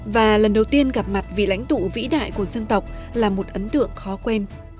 và lần đầu tiên gặp mặt vị lãnh tụ vĩ đại của dân tộc là một ấn tượng khó quen